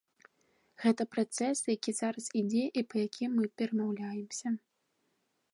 Гэта працэс, які зараз ідзе і па якім мы перамаўляемся.